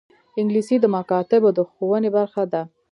انګلیسي د مکاتبو د ښوونې برخه ده